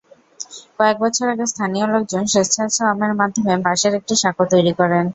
কয়েক বছর আগে স্থানীয় লোকজন স্বেচ্ছাশ্রমের মাধ্যমে বাঁশের একটি সাঁকো তৈরি করেন।